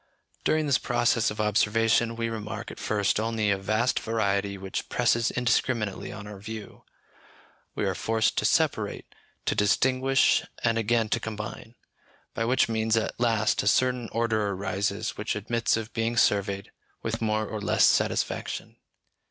During this process of observation we remark at first only a vast variety which presses indiscriminately on our view; we are forced to separate, to distinguish, and again to combine; by which means at last a certain order arises which admits of being surveyed with more or less satisfaction.